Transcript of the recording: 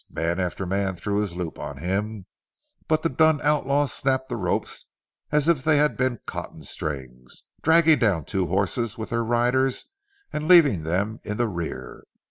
Man after man threw his loop on him; but the dun outlaw snapped the ropes as if they had been cotton strings, dragging down two horses with their riders and leaving them in the rear.